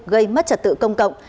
gây mất trật tự công cộng